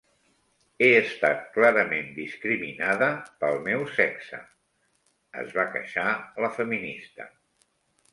"He estat clarament discriminada pel meu sexe" es va queixar la feminista.